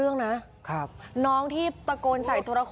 น้าหลงมา